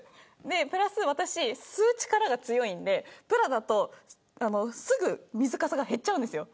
プラス私、吸う力が強いんでプラスチックだと、すぐに水かさが減っちゃうんですよ。